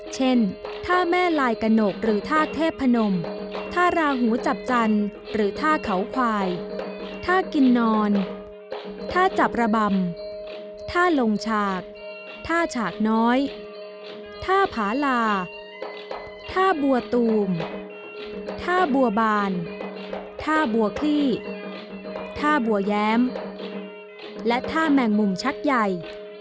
เช่นท่าแม่ลายกระหนกหรือท่าเทพนมท่าราหูจับจันทร์หรือท่าเขาควายท่ากินนอนท่าจับระบำท่าลงฉากท่าฉากน้อยท่าผาลาท่าบัวตูมท่าบัวบานท่าบัวคลี่ท่าบัวแย้มและท่าแมงมุมชัดใหญ่